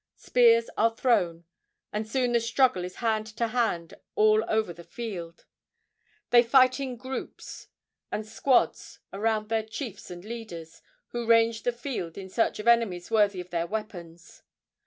Spears are thrown, and soon the struggle is hand to hand all over the field. They fight in groups and squads around their chiefs and leaders, who range the field in search of enemies worthy of their weapons.